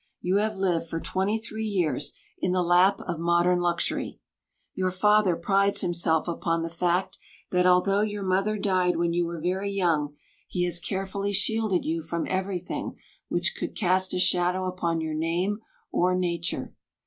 You have lived for twenty three years in the lap of modern luxury. Your father prides himself upon the fact that, although your mother died when you were very young, he has carefully shielded you from everything which could cast a shadow upon your name or nature.